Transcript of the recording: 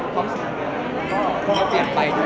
ผมจะจะเพียงไปอยู่